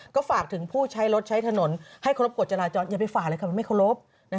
ก็ฝากถึงผู้ใช้รถใช้ถนนให้ขอรบกฎจราจรอย่าไปฝ่าอะไรคำว่าไม่ขอรบ